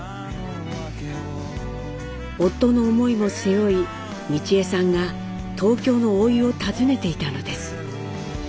夫の思いも背負い美智榮さんが東京のおいを訪ねていたのです。